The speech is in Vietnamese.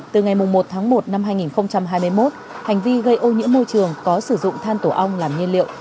từ ngày một tháng một năm hai nghìn hai mươi một hành vi gây ô nhiễm môi trường có sử dụng than tổ ong làm nhiên liệu